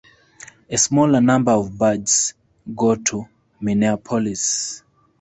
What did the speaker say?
A smaller number of barges go to Minneapolis.